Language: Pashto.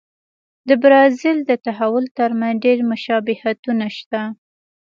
د برازیل د تحول ترمنځ ډېر مشابهتونه شته.